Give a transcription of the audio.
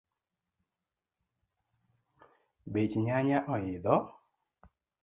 Bech nyanya oidho